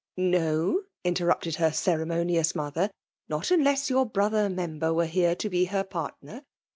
'^ No," interrupted her ceremonious mother, not unless your brother member were here to be her partner.